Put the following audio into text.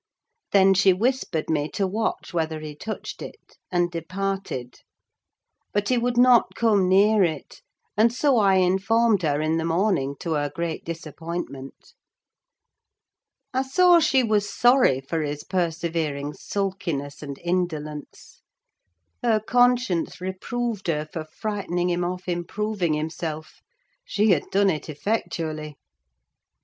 Then she whispered me to watch whether he touched it, and departed. But he would not come near it; and so I informed her in the morning, to her great disappointment. I saw she was sorry for his persevering sulkiness and indolence: her conscience reproved her for frightening him off improving himself: she had done it effectually.